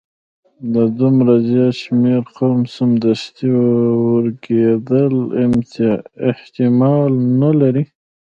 د دومره زیات شمیر قوم سمدستي ورکیدل احتمال نه لري.